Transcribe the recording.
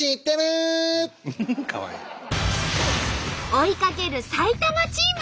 追いかける埼玉チーム。